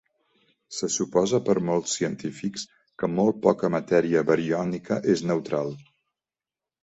Se suposa per molts científics que molt poca matèria bariònica és neutral.